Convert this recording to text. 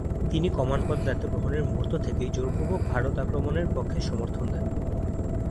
তিনি কমান্ড পদে দায়িত্ব গ্রহণের মুহূর্ত থেকেই জোরপূর্বক ভারত আক্রমণের পক্ষে সমর্থন দেন।